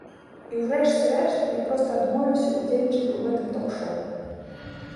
І ў рэшце рэшт, я проста адмовіўся ўдзельнічаць у гэтым ток-шоў.